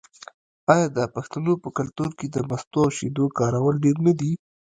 آیا د پښتنو په کلتور کې د مستو او شیدو کارول ډیر نه دي؟